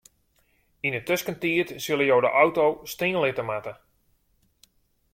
Yn 'e tuskentiid sille jo de auto stean litte moatte.